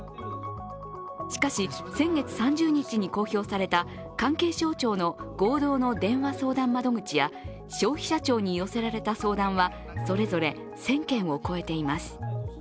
しかし、先月３０日に公表された関係者省庁の合同の電話相談窓口や消費者庁に寄せられた相談はそれぞれ１０００件を超えています。